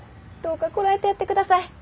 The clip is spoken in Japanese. どうかこらえてやってください。